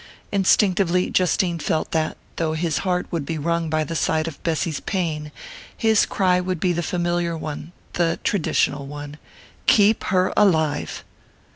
Instinctively Justine felt that, though his heart would be wrung by the sight of Bessy's pain, his cry would be the familiar one, the traditional one: _Keep her alive!